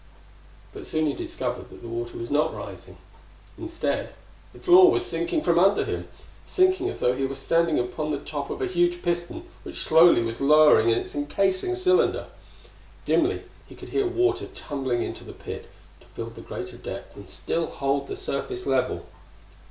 But soon he discovered that the water was not rising. Instead, the floor was sinking from under him! sinking as though he were standing upon the top of a huge piston which slowly was lowering in its encasing cylinder. Dimly he could hear water tumbling into the pit, to fill the greater depth and still hold the surface level.